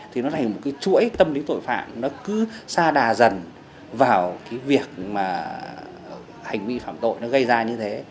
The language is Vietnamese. thì nó thành một cái chuỗi tâm lý tội phạm nó cứ xa đà dần vào cái việc mà hành vi phạm tội nó gây ra như thế